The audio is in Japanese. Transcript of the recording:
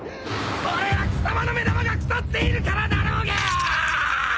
それは貴様の目玉が腐っているからだろうがぁぁ！！